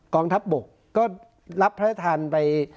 กองทัพบกก็รับรัฐธรรมไป